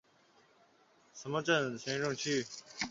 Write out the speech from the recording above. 斋拉镇为缅甸伊洛瓦底省皮亚朋县的行政区。